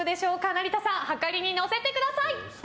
成田さんはかりに載せてください。